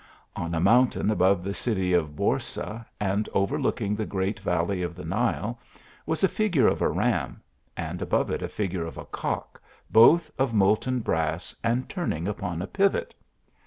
On a mountain above the city of Borsa, and overlooking the great valley of the Nile, was a figure of a ram, and above it a figure of a cock, both of molten brass and turning upon a pivot.